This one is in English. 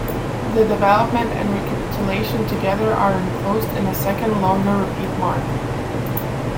The development and recapitulation together are enclosed in a second, longer repeat mark.